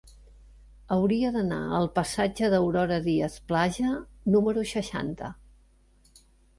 Hauria d'anar al passatge d'Aurora Díaz Plaja número seixanta.